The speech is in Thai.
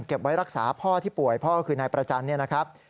ไว้รักษาพ่อที่ป่วยพ่อก็คือนายประจันทร์เนี่ยนะครับ